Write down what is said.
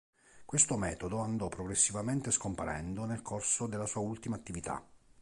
Questo metodo andò progressivamente scomparendo nel corso della sua ultima attività.